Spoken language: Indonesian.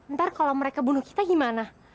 ntar kalau mereka bunuh kita gimana